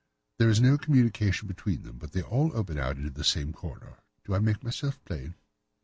There is no communication between them, but they all open out into the same corridor. Do I make myself plain?"